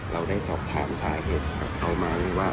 เราได้สอบถามสาเหตุกับเขาไหมว่า